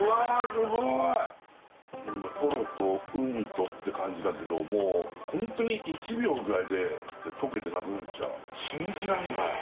スゴーイ今トロとウニとって感じだけどもうホントに１秒ぐらいで溶けてなくなっちゃう信じらんない